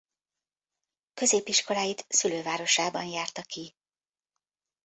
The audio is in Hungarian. Középiskoláit szülővárosában járta ki.